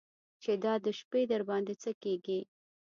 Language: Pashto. چې دا د شپې درباندې څه کېږي.